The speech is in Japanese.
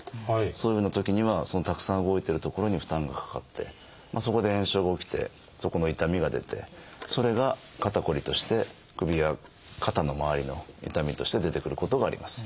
そういうふうなときにはそのたくさん動いてる所に負担がかかってそこで炎症が起きてそこの痛みが出てそれが肩こりとして首や肩のまわりの痛みとして出てくることがあります。